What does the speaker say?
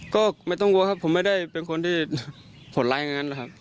ก็ไม่ต้องกลัวครับผมไม่ได้เป็นคนที่ผลร้ายอย่างนั้นนะครับ